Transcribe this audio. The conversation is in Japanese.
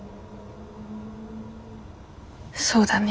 そうだね。